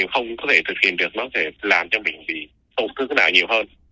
nếu không có thể thực hiện được nó sẽ làm cho mình bị tổn thương cái nào nhiều hơn